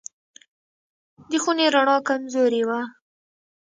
د خونې رڼا کمزورې وه.